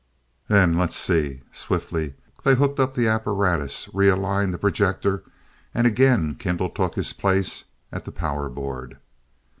"Then let's see." Swiftly they hooked up the apparatus, realigned the projector, and again Kendall took his place at the power board.